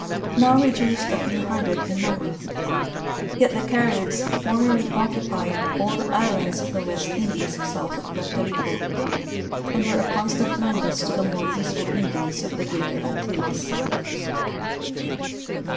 Now reduced to a few hundred in number, yet the Caribs formerly occupied all the The Anchor of the Santa Maria. 193 islands of the West Indies south of Puerto Rico, and were a constant menace to the more peaceful Indians of the Greater Antilles.